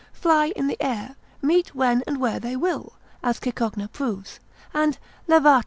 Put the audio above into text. fly in the air, meet when and where they will, as Cicogna proves, and Lavat.